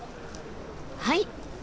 はい！